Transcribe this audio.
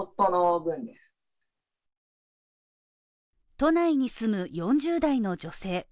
都内に住む４０代の女性